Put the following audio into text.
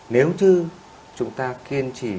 nếu chứ chúng ta kiên trì